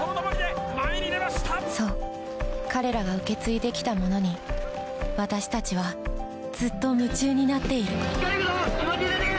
そう彼らが受け継いできたものに私たちはずっと夢中になっている・行けるぞ！